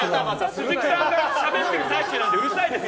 鈴木さんがしゃべってる最中にうるさいです！